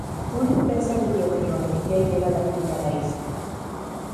Una empresa de biotecnología lleva la tienda a la isla.